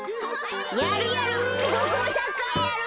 やるやる！